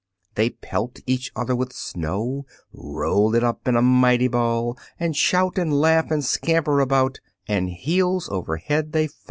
They pelt each other with snow, Roll it up in a mighty ball, And shout and laugh and scamper about, And heels over head they fall.